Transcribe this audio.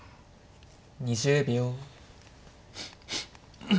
２０秒。